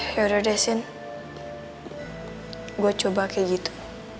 yaudah deh sin gue coba kayak gitu